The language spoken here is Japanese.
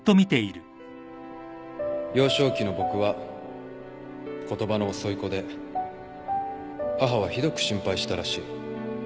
幼少期の僕は言葉の遅い子で母はひどく心配したらしい。